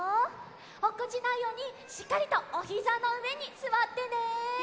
おっこちないようにしっかりとおひざのうえにすわってね。